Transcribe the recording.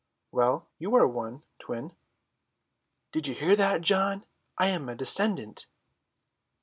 "Well, you are one, Twin." "Did you hear that, John? I am a descendant."